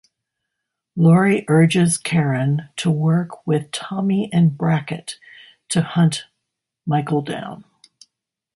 Laurie urges Karen to work with Tommy and Brackett to hunt Michael down.